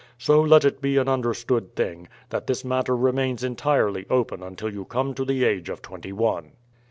So let it be an understood thing, that this matter remains entirely open until you come to the age of twenty one."